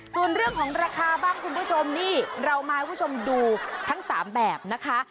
ส่วนเรื่องของราคาบ้างคุณผู้ชมนี่เรามาให้คุณผู้ชมดูทั้ง๓แบบนะคะ